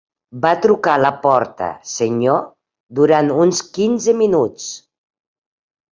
Va trucar a la porta, senyor, durant uns quinze minuts.